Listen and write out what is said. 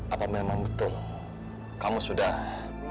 apa memang betul kamu sudah